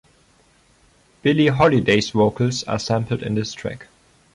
Billie Holiday's vocals are sampled in this track.